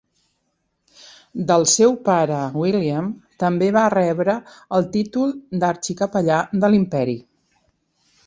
Del seu pare William també va rebre el títol d'Arxi-capellà de l'Imperi.